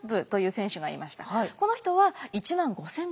この人は１万５，０００ドル。